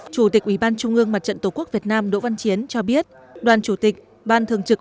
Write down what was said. chủ tịch ubnd mặt trận tổ quốc việt nam đỗ văn chiến cho biết đoàn chủ tịch ban thường trực